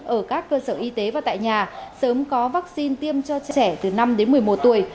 ở các cơ sở y tế và tại nhà sớm có vaccine tiêm cho trẻ từ năm đến một mươi một tuổi